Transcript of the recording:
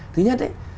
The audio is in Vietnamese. thứ nhất ấy